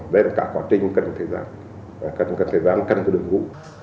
đấy là cả quá trình cả thời gian cả thời gian cả đường vụ